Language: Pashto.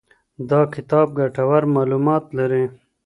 دا کتاب ګټور معلومات لري.